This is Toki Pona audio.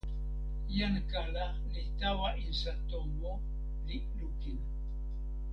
jan kala li tawa insa tomo, li lukin